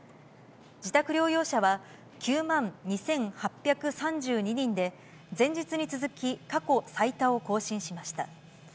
自宅療養者は９万２８３２人で、前日に続き、過去最多を更新しました。